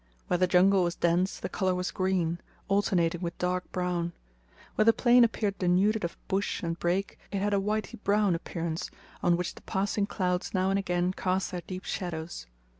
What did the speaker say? Where the jungle was dense the colour was green, alternating with dark brown; where the plain appeared denuded of bush and brake it had a whity brown appearance, on which the passing clouds now and again cast their deep shadows.